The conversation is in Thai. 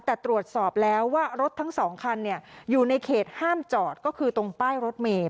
แต่ตรวจสอบแล้วว่ารถทั้งสองคันอยู่ในเขตห้ามจอดก็คือตรงป้ายรถเมย์